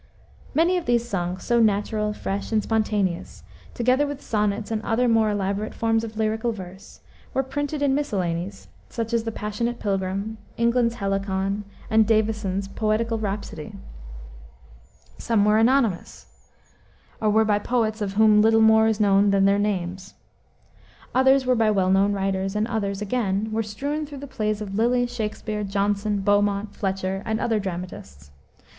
Many of these songs, so natural, fresh, and spontaneous, together with sonnets and other more elaborate forms of lyrical verse, were printed in miscellanies, such as the Passionate Pilgrim, England's Helicon, and Davison's Poetical Rhapsody. Some were anonymous, or were by poets of whom little more is known than their names. Others were by well known writers, and others, again, were strewn through the plays of Lyly, Shakspere, Jonson, Beaumont, Fletcher, and other dramatists.